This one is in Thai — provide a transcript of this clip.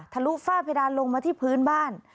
ลุฝ้าเพดานลงมาที่พื้นบ้าน